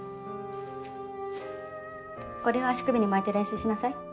これを足首に巻いて練習しなさい。